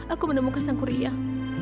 aku menemukan sang kurian